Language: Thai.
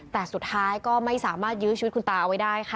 แต่สุดท้ายก็ไม่สามารถยื้อชีวิตคุณตาเอาไว้ได้ค่ะ